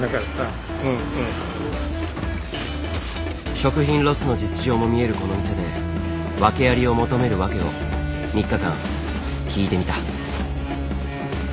食品ロスの実情も見えるこの店でワケありを求めるワケを３日間聞いてみた。